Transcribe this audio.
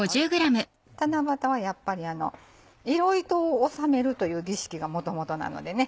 七夕はやっぱり色糸を納めるという儀式がもともとなのでね